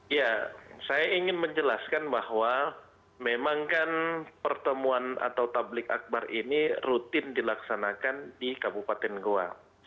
ya saya ingin menjelaskan bahwa memang kan pertemuan atau tablik akbar ini rutin dilaksanakan di kabupaten goa